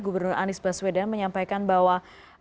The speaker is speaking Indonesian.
gubernur anies baswedan menyampaikan bahwa